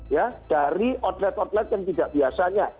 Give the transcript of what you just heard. ya dari outlet outlet yang tidak biasanya